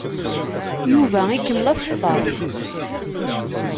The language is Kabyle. Yuba ikemmel aṣeffer.